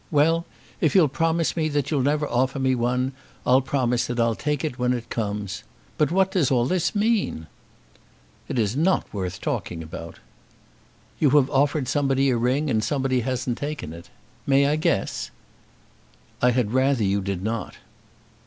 Well; if you'll promise that you'll never offer me one, I'll promise that I'll take it when it comes. But what does all this mean?" "It is not worth talking about." "You have offered somebody a ring, and somebody hasn't taken it. May I guess?" "I had rather you did not."